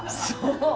そう！